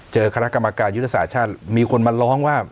คณะกรรมการยุทธศาสตร์ชาติมีคนมาร้องว่า